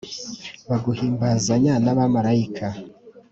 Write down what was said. baguhimbazanya n'abamalayika,